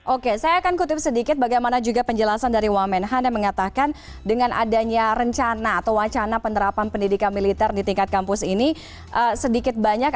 oke saya akan kutip sedikit bagaimana juga penjelasan dari wamenhan yang mengatakan dengan adanya rencana atau wacana penerapan pendidikan militer di tingkat kampus ini sedikit banyak